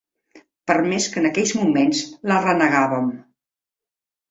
Per més que en aquells moments la renegàvem